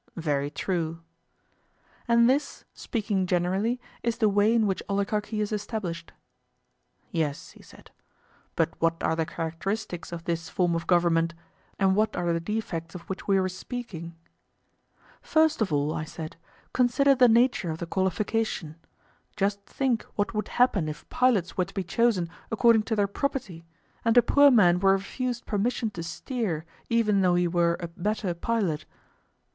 Very true. And this, speaking generally, is the way in which oligarchy is established. Yes, he said; but what are the characteristics of this form of government, and what are the defects of which we were speaking? First of all, I said, consider the nature of the qualification. Just think what would happen if pilots were to be chosen according to their property, and a poor man were refused permission to steer, even though he were a better pilot?